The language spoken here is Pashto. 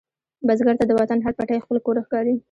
بزګر ته د وطن هر پټی خپل کور ښکاري